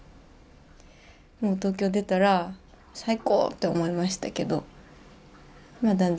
もう東京出たら最高って思いましたけどまあ